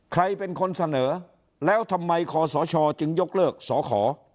ใครเป็นคนเสนอแล้วทำไมคอสชจึงยกเลิกสอขอ